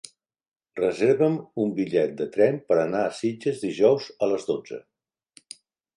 Reserva'm un bitllet de tren per anar a Sitges dijous a les dotze.